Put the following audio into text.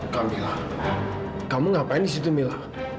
kamila kamu ngapain di situ mila